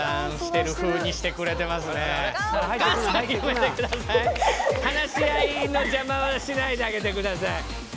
話し合いの邪魔はしないであげて下さい。